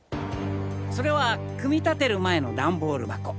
それは組み立てる前のダンボール箱。